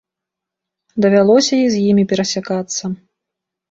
Давялося і з імі перасякацца.